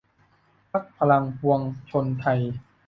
พรรคพลังปวงชนไทย